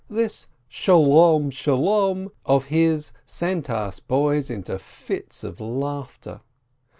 This "Shalom! Shalom !" of his sent us boys into fits of laughter.